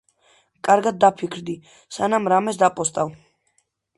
კარგად დაფიქრდი, სანამ რამეს დაპოსტავ.